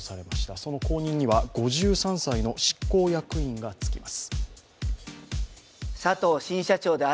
その後任には５３歳の執行役員が就きます。